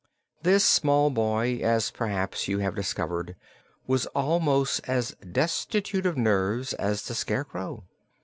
This small boy, as perhaps you have discovered, was almost as destitute of nerves as the Scarecrow.